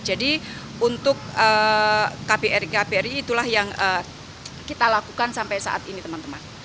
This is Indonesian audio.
jadi untuk kbri kbri itulah yang kita lakukan sampai saat ini teman teman